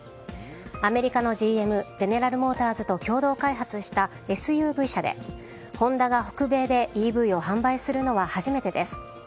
アメリカのＧＭ・ゼネラル・モーターズと共同開発したＳＵＶ車で、ホンダが北米でＥＶを販売するのは初めてです。